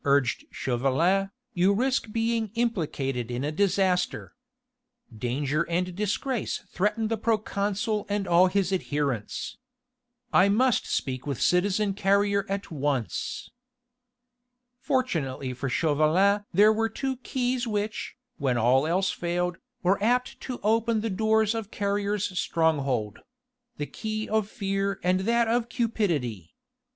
urged Chauvelin, "you risk being implicated in a disaster. Danger and disgrace threaten the proconsul and all his adherents. I must speak with citizen Carrier at once." Fortunately for Chauvelin there were two keys which, when all else failed, were apt to open the doors of Carrier's stronghold: the key of fear and that of cupidity.